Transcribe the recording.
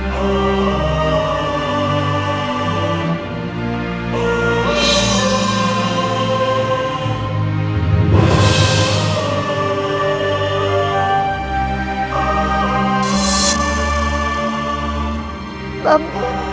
bangun ya nak